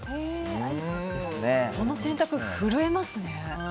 その選択、震えますね。